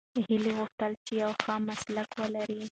هیلې غوښتل چې یو ښه مسلک ولري.